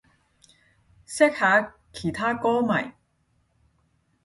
識下其他歌迷